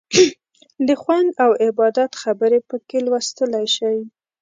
د خوند او عبادت خبرې پکې لوستلی شئ.